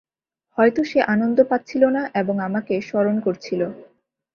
হয়তো সে আনন্দ পাচ্ছিল না এবং আমাকে স্মরণ করছিল।